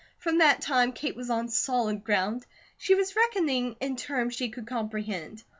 From that time, Kate was on solid ground. She was reckoning in terms she could comprehend.